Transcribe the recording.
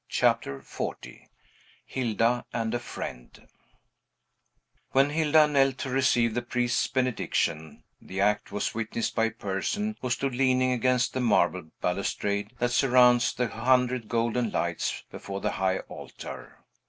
CHAPTER XL HILDA AND A FRIEND When Hilda knelt to receive the priest's benediction, the act was witnessed by a person who stood leaning against the marble balustrade that surrounds the hundred golden lights, before the high altar.